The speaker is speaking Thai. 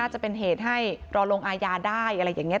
จะเป็นเหตุให้รอลงอาญาได้อะไรอย่างนี้